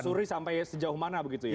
suri sampai sejauh mana begitu ya